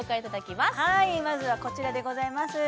まずはこちらでございます